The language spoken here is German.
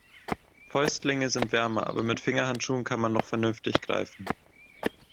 Fäustlinge sind wärmer, aber mit Fingerhandschuhen kann man noch vernünftig greifen.